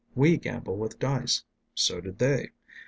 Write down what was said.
We gamble with dice; so did they.